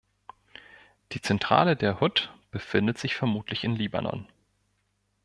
Die Zentrale der HuT befindet sich vermutlich im Libanon.